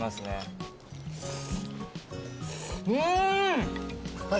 うん！